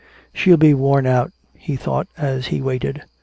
"She'll be worn out," he thought as he waited.